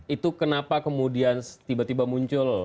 itu kenapa kemudian tiba tiba muncul